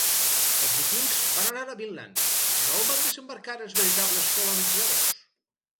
Els Vikings van anar a Vinland, però on van desembarcar els veritables colonitzadors?